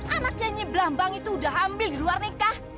anaknya nyiblambang itu udah hamil di luar nikah